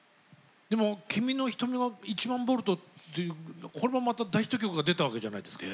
でも「君のひとみは１００００ボルト」っていうこれもまた大ヒット曲が出たわけじゃないですか。